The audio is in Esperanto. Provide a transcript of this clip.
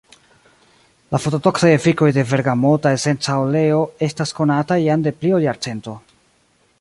La fototoksaj efikoj de bergamota esenca oleo estas konataj jam de pli ol jarcento.